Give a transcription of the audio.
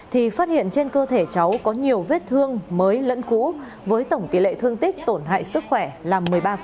thì phát hiện trên cơ thể cháu có nhiều vết thương mới lẫn cũ với tổng tỷ lệ thương tích tổn hại sức khỏe là một mươi ba